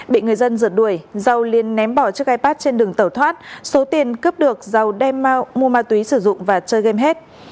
bị người dân giật đuổi dầu liên ném bỏ chiếc ipad trên đường tẩu thoát số tiền cướp được dầu đem mau mua ma túy sử dụng và chơi game hết